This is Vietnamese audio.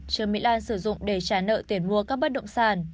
trương mỹ lan sử dụng để trả nợ tiền mua các bất động sản